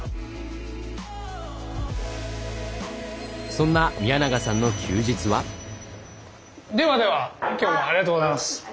そんな宮永さんの休日は？ではでは今日はありがとうございます。